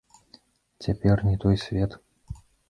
Цяпер не той свет.